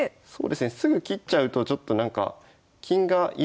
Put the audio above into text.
すぐ切っちゃうとちょっとなんか金がいる分